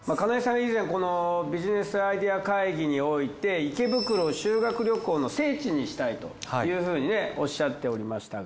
以前このビジネスアイデア会議において池袋を修学旅行の聖地にしたいというふうにおっしゃっておりましたが。